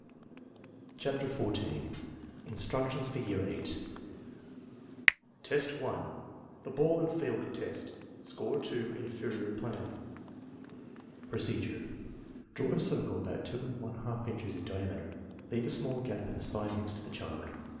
CHAPTER XIV INSTRUCTIONS FOR YEAR VHI VET, 1. The ball and field test (Score 2, inferior plan) Procedure. Draw a circle about two and one half inches in diameter, leaving a small gap in the side next the child.